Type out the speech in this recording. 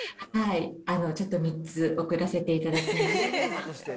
ちょっと３つ、送らせていただきました。